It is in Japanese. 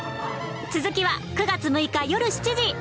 続きは９月６日よる７時